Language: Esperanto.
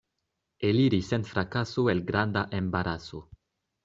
Eliri sen frakaso el granda embaraso.